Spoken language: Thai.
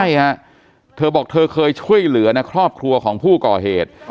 ใช่ฮะเธอบอกเธอเคยช่วยเหลือนะครอบครัวของผู้ก่อเหตุ